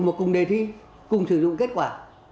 một cùng đề thi cùng sử dụng kết quả